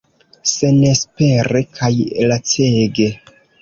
Senespere kaj lacege.